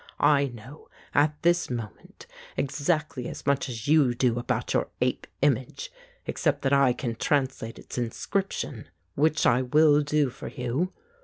I know, at this moment, exactly as much as you do about your ape image, except that I can translate its inscription, which I i93 The Ape will do for you.